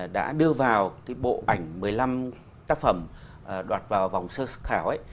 đã đưa vào cái bộ ảnh một mươi năm tác phẩm đoạt vào vòng sơ khảo ấy